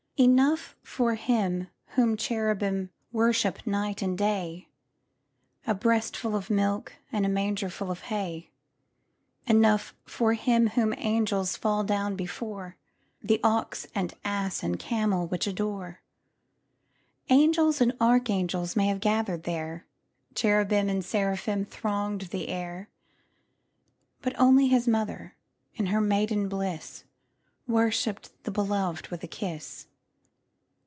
Enough for Him whom cherubim Worship night and day, A breastful of milk And a mangerful of hay; Enough for Him whom angels Fall down before, The ox and ass and camel Which adore. Angels and archangels May have gathered there, Cherubim and seraphim Thronged the air; But only His mother, In her maiden bliss, Worshipped the Beloved With a kiss.